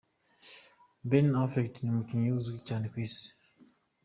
Ben Affleck ni umukinnyi uzwi cyane ku Isi.